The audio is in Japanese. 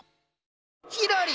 ひらり！